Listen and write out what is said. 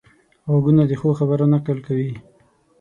غوږونه د ښو خبرو نقل کوي